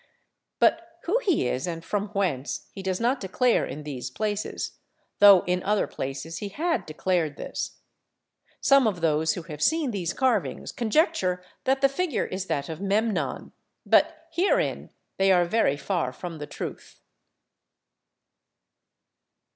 But who he is and from whence, he does not declare in these places, though in other places he had declared this. Some of those who have seen these carvings conjecture that the figure is that of Memnon, but herein they are very far from the truth.